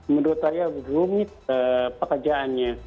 menurut saya rumit pekerjaannya